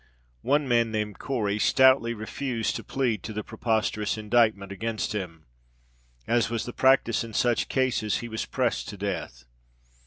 One man, named Cory, stoutly refused to plead to the preposterous indictment against him. As was the practice in such cases, he was pressed to death.